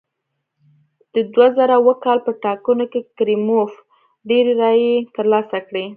د دوه زره اووه کال په ټاکنو کې کریموف ډېرې رایې ترلاسه کړې.